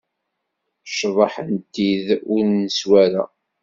Cḍeḥ n tid ur neswi ara.